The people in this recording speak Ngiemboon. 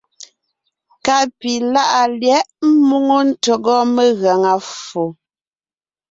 Ka pi láʼa lyɛ̌ʼ ḿmoŋo ntÿɔgɔ megaŋa ffo.